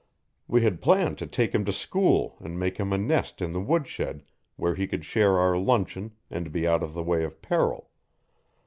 We had planned to take him to school and make him a nest in the woodshed where he could share our luncheon and be out of the way of peril.